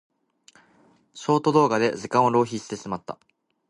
ショート動画で時間を浪費してしまった。